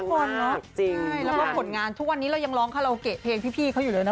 ก็สวยทุกคนเนอะแล้วก็ผลงานทุกวันนี้เรายังร้องคาโลเกะเพลงพี่เขาอยู่เลยนะคะ